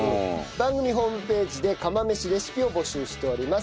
番組ホームページで釜飯レシピを募集しております。